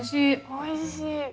おいしい。